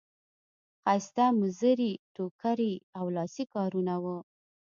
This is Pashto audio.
ښایسته مزري ټوکري او لاسي کارونه وو.